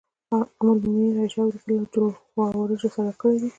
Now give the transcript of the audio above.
ام المومنین عایشې او وروسته له خوارجو سره کړي دي.